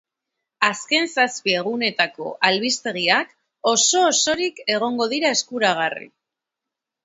Azken zazpi egunetako albistegiak oso-osorik egongo dira eskuragarri.